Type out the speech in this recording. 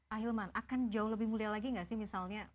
ah hilman akan jauh lebih mulia lagi gak sih misalnya